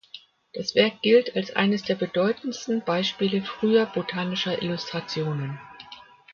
Das Werk gilt als eines der bedeutendsten Beispiele früher botanischer Illustrationen.